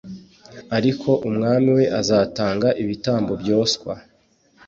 Ariko umwami we azatanga ibitambo byoswa